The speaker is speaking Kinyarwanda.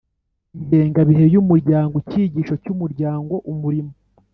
Ingengabihe y umuryango icyigisho cy umuryango Umurimo